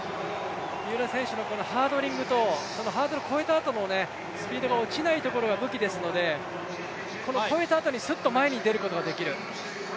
三浦選手のハードリングと、そのハードルを越えたあともスピードが落ちないところが武器ですのでこの超えたあとにすっと前に出て行くことができる。